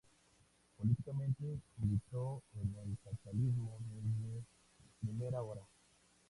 Políticamente militó en el catalanismo desde primera hora.